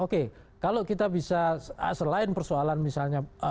oke kalau kita bisa selain persoalan misalnya